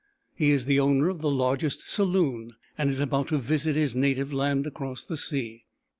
He is the owner of the largest saloon and is about to visit his native land across the sea.